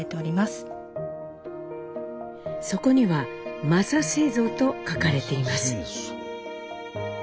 そこには「柾製造」と書かれています。